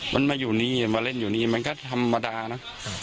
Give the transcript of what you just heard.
มันมาเล่นอยู่นี่มันก็ธรรมดานะ